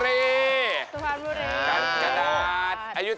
เสาคำยันอาวุธิ